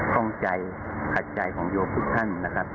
ข้องใจขัดใจของโยมทุกท่านนะครับ